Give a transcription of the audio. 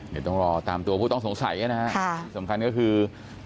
เดี๋ยวต้องรอตามตัวผู้ต้องสงสัยนะฮะสำคัญก็คือ